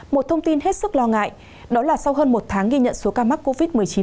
một thông tin hết sức lo ngại đó là sau hơn một tháng ghi nhận số ca mắc covid một mươi chín